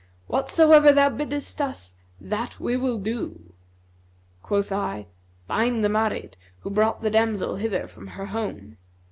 Whatsoever thou biddest us, that will we do.' Quoth I, 'Bind the Marid who brought the damsel hither from her home.'